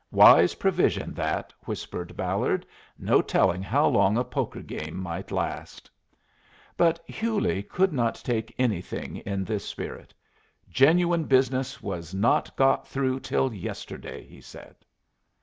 '" "Wise provision that," whispered Ballard. "No telling how long a poker game might last." But Hewley could not take anything in this spirit. "Genuine business was not got through till yesterday," he said.